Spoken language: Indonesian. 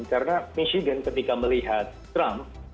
karena michigan ketika melihat trump